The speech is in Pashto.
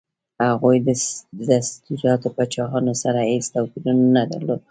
هغوی د سټیوراټ پاچاهانو سره هېڅ توپیر نه درلود.